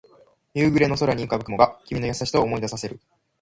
夕暮れの空に浮かぶ雲が君の優しさを思い出させる